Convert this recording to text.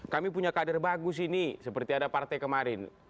kami punya kader bagus ini seperti ada partai kemarin